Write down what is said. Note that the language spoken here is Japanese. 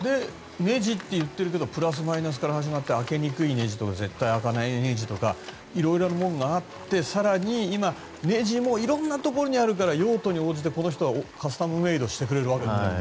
ねじって言ってるけどプラスマイナスから始まって開けにくいねじとか絶対開かないねじとかいろいろなものがあって更に今、ねじもいろんなところにあるから用途に応じて、この人はカスタムメイドをしてくれるわけね。